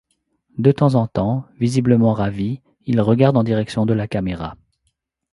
De temps en temps, visiblement ravi, il regarde en direction de la caméra.